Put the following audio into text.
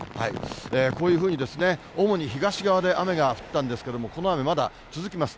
こういうふうに主に東側で雨が降ったんですけれども、この雨、まだ続きます。